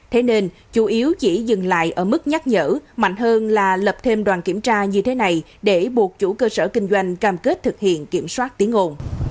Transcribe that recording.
thế nên chủ yếu chỉ dừng lại ở mức nhắc nhở mạnh hơn là lập thêm đoàn kiểm tra như thế này để buộc chủ cơ sở kinh doanh cam kết thực hiện kiểm soát tiếng ồn